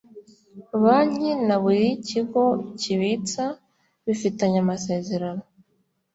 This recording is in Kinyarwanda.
banki na buri kigo kibitsa bifitanye amasezerano